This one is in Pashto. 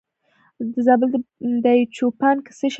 د زابل په دایچوپان کې څه شی شته؟